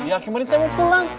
ya kemarin saya mau pulang